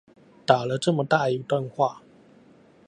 打了這麼大一段話